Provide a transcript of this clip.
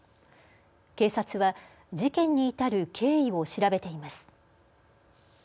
警察は事件に至る経緯を調べています。